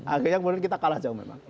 akhirnya kemudian kita kalah jauh memang